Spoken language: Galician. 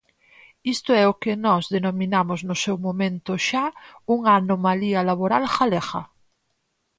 Isto é o que nós denominamos no seu momento xa unha anomalía laboral galega.